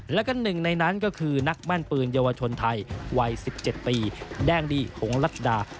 แล้วก็หนึ่งในนั้นก็คือนักแม่นปืนเยาวชนไทยวัย๑๗ปีแดงดีหงลัดดา